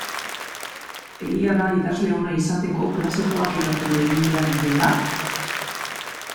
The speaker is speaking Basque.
Egia da idazle ona izateko klasikoak irakurri egin behar direla?